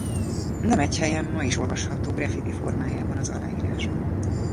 Nem egy helyen ma is olvasható graffiti formájában az aláírása.